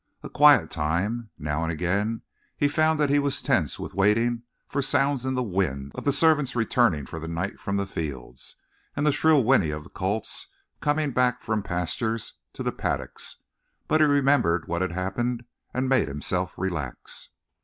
A quiet time. Now and again he found that he was tense with waiting for sounds in the wind of the servants returning for the night from the fields, and the shrill whinny of the colts coming back from the pastures to the paddocks. But he remembered what had happened and made himself relax.